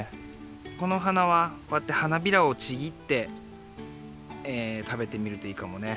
この花はこうやって花びらをちぎって食べてみるといいかもね。